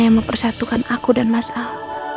yang mempersatukan aku dan mas al